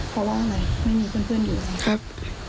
เพราะว่าอะไรไม่มีเพื่อนอยู่นะครับ